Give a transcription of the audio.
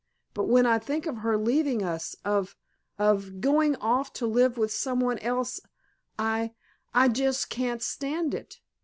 But when I think of her leaving us—of—of going off to live with some one else—I—I just can't stand it."